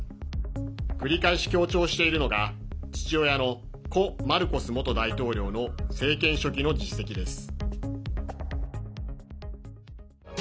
繰り返し強調しているのが父親の故マルコス元大統領の政権初期の実績です。